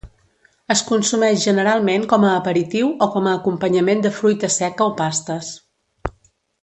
Es consumeix generalment com a aperitiu o com a acompanyament de fruita seca o pastes.